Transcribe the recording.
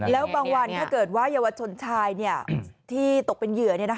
แล้วบางวันถ้าเกิดว่าเยาวชนชายที่ตกเป็นเหยื่อ